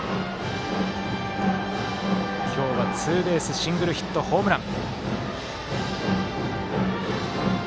今日はツーベースシングルヒット、ホームラン。